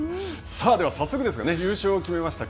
さあ、では早速ですが、優勝を決めました